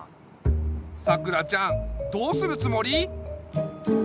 さくらちゃんどうするつもり？